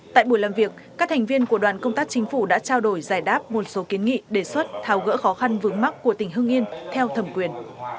tại buổi làm việc các thành viên của đoàn công tác chính phủ đã trao đổi giải đáp một số kiến nghị đề xuất tháo gỡ khó khăn vướng mắt của tỉnh hưng yên theo thẩm quyền